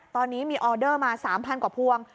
ตอนนี้มีออเดอร์มา๓๐๐กว่าพวง